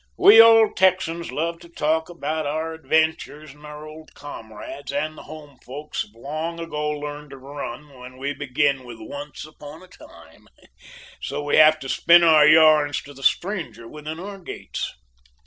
We old Texans love to talk about our adventures and our old comrades, and the home folks have long ago learned to run when we begin with 'Once upon a time,' so we have to spin our yarns to the stranger within our gates."